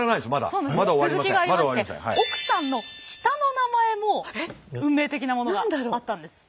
そうなんです続きがありまして奥さんの下の名前も運命的なものがあったんです。